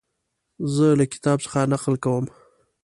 زه له کتاب څخه نقل کوم.